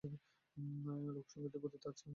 লোকসঙ্গীতের প্রতি তার টান ছিল আমৃত্যু।